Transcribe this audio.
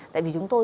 tại vì chúng tôi